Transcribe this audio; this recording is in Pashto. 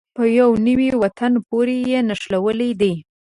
په يوه نوي وطن پورې یې نښلولې دي.